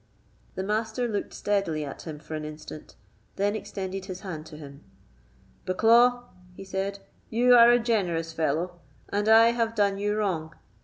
The Master looked steadily at him for an instant, then extended his hand to him. "Bucklaw," he said, "you are a generous fellow, and I have done you wrong.